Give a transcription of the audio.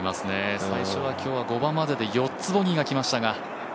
最初は今日は５番までで４つボギーが来ましたが。